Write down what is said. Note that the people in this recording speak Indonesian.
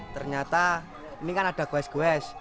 ternyata ini kan ada guez guez